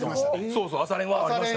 そうそう朝練はありました。